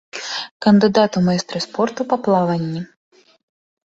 Кандыдат у майстры спорту па плаванні.